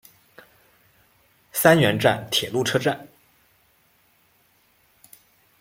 三原站铁路车站。